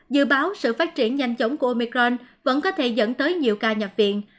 dự báo sự phát triển nhanh chóng của omicron vẫn có thể dẫn tới nhiều ca nhập viện